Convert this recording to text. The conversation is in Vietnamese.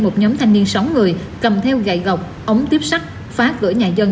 một nhóm thanh niên sáu người cầm theo gậy gọc ống tiếp sắt phá vỡ nhà dân